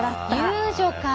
遊女かあ。